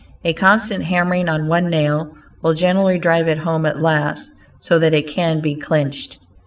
A constant hammering on one nail will generally drive it home at last, so that it can be clinched.